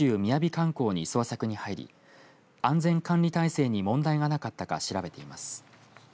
観光に捜索に入り安全管理体制に問題がなかったか調べています。